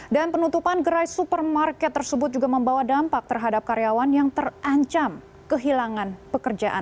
dan penutupan gerai supermarket tersebut juga membawa dampak terhadap karyawan yang terancam kehilangan pekerjaan